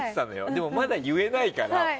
でもまだ言えないから。